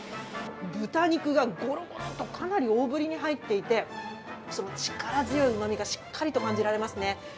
豚肉がゴロゴロッとかなり大ぶりに入っていて、その力強いうまみが、しっかりと感じられますね。